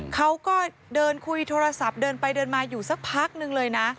เขาก็เดินคุยโทรศัพท์เดินไปเดินมาอยู่สักพักนึงเลยนะ